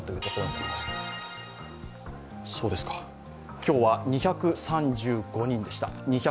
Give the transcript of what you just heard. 今日は２３５人でした。